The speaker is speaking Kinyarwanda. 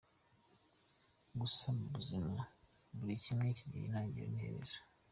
Gusa mu buzima buri kimwe kigira itangiriro n’iherezo.